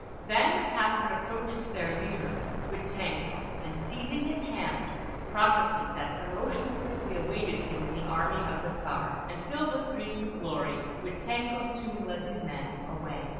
Then Catherine approached their leader, Gritzenko, and, seizing his hand, prophesied that promotion quickly awaited him in the army of the Czar; and filled with dreams of glory, Gritzenko soon led his men away.